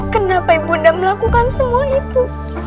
kenapa ibu nanda melakukan semua itu